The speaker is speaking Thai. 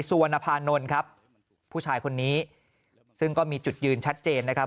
สุวรรณภานนท์ครับผู้ชายคนนี้ซึ่งก็มีจุดยืนชัดเจนนะครับ